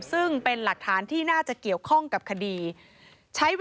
ซึ่งเป็นหลักฐานที่น่าจะเกี่ยวข้องกับคดี